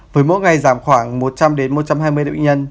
với mỗi ngày giảm khoảng một trăm linh đến một trăm hai mươi bệnh nhân